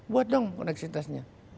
buat dong koneksitasnya